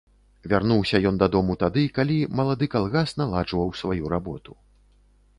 Вярнуўся ён дадому тады, калі малады калгас наладжваў сваю работу.